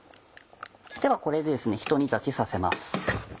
ではこれでひと煮立ちさせます。